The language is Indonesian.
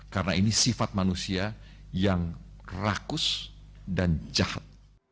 karena ini sifat manusia yang rakus dan jahat